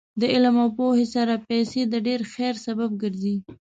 د علم او پوهې سره پیسې د ډېر خیر سبب ګرځي.